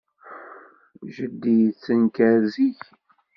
Jeddi yettenkar zik.